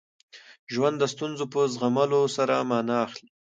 ژوند د ستونزو په زغمولو سره مانا اخلي.